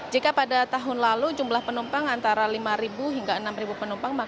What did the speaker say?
jika pada tahun lalu jumlah penumpang antara lima hingga enam penumpang